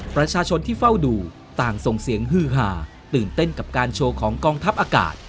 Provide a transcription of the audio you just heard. ประชาชนที่เฝ้าดูต่างส่งเสียงฮือหาตื่นเต้นกับการโชว์ของกองทัพอากาศ